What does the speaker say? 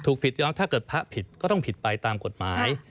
ผิดยอมถ้าเกิดพระผิดก็ต้องผิดไปตามกฎหมาย